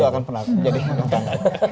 itu akan penciptakan